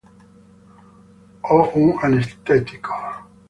O un anestetico.